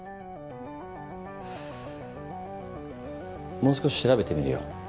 もう少し調べてみるよ。